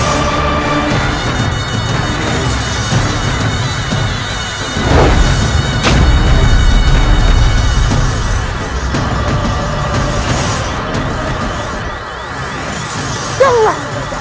apakah pemain kun jos cart